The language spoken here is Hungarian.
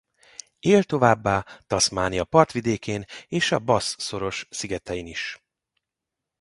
Él továbbá Tasmania partvidékén és a Bass-szoros szigetein is.